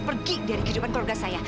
pergi dari kehidupan keluarga saya